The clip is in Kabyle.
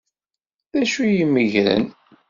D acu i meggren?